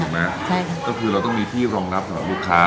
ใช่ค่ะก็คือเราต้องมีที่รองรับสำหรับลูกค้า